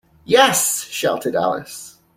‘Yes!’ shouted Alice.